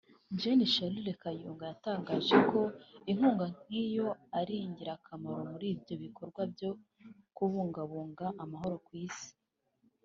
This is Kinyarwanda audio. Gen Charles Kayonga yatangaje ko inkunga nkiyo ari ingirakamaro muri ibyo bikorwa byo kubungabunga amahoro ku isi